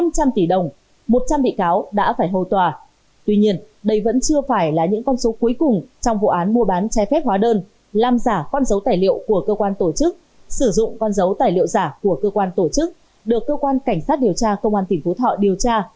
sử dụng con dấu tài liệu giả của cơ quan tổ chức được cơ quan cảnh sát điều tra công an tỉnh phú thọ điều tra